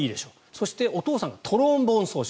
そしてお父さんがトロンボーン奏者。